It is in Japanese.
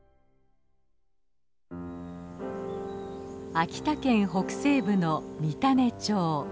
秋田県北西部の三種町。